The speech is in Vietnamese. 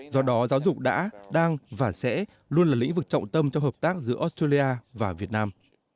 do đó giáo dục đã đang và sẽ luôn là lĩnh vực trọng tâm cho hợp tác giữa australia và việt nam